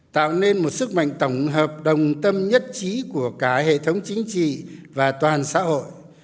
tạo nên một sức mạnh tổng hợp đồng tâm nhất trí của cả hệ thống chính trị và toàn xã hội